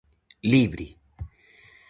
Libre!